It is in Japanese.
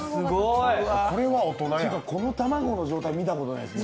この卵の状態見たことないですね。